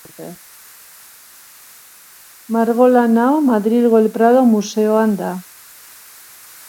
Margolan hau Madrilgo El Prado museoan da.